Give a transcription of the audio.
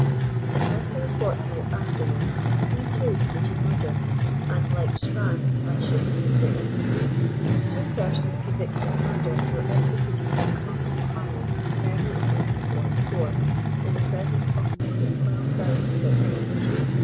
'^ In less than a fortnight afterward, he too committed murder, and, like Strang, by shooting his victim. Two persons con victed of murder were executed at Columbus, Ohio, early in 1844, in the presence of more than 12,000 spectators.